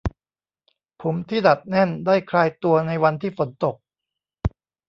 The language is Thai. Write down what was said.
ผมที่ดัดแน่นได้คลายตัวในวันที่ฝนตก